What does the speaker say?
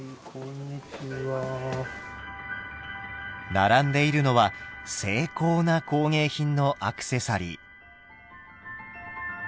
並んでいるのは精巧な工芸品のアクセサリー。